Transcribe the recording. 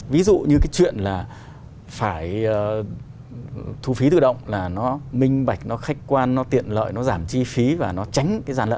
ví dụ như cái chuyện là phải thu phí tự động là nó minh bạch nó khách quan nó tiện lợi nó giảm chi phí và nó tránh cái giàn lận